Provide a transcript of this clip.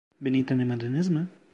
Beni tanımadınız mı?